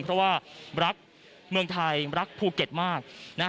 เพราะว่ารักเมืองไทยรักภูเก็ตมาก